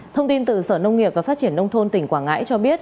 thông tin từ sở nông nghiệp và phát triển nông thôn tỉnh quảng ngãi cho biết